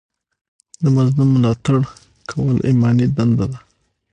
د مظلوم ملاتړ کول ایماني دنده ده.